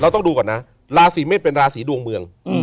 ต้องดูก่อนนะราศีเมษเป็นราศีดวงเมือง